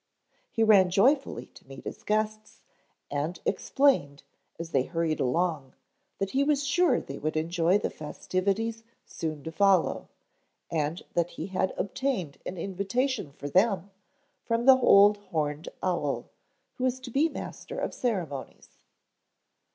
He ran joyfully to meet his guests, and explained, as they hurried along, that he was sure they would enjoy the festivities soon to follow, and that he had obtained an invitation for them from the old horned owl, who was to be master of ceremonies.